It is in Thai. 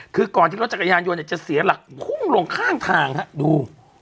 คือก่อนที่รถจักรยานยนต์จะเสียหลักพุ่งลงข้างทางฮะดู